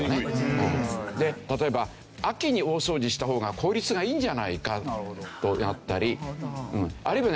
で例えば秋に大掃除した方が効率がいいんじゃないかとなったりあるいはね